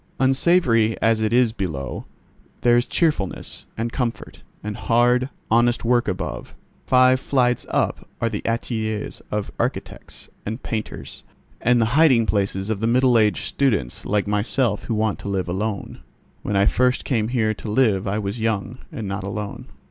Unsavoury as it is below, there is cheerfulness, and comfort, and hard, honest work above. Five flights up are the ateliers of architects and painters, and the hiding places of middle aged students like myself who want to live alone. When I first came here to live I was young, and not alone.